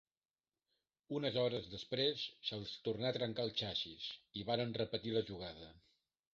Unes hores després se'ls tornà a trencar el xassís i varen repetir la jugada.